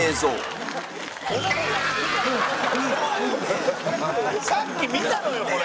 山崎：さっき見たのよ、これ。